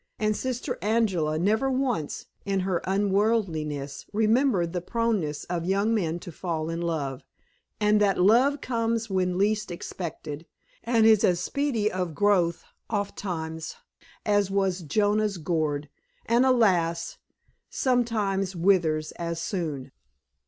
And Sister Angela never once, in her unworldliness, remembered the proneness of young men to fall in love, and that love comes when least expected, and is as speedy of growth, ofttimes, as was Jonah's gourd, and, alas! sometimes withers as soon.